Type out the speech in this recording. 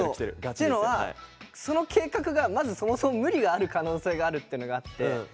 っていうのはその計画がまずそもそも無理がある可能性があるっていうのがあって。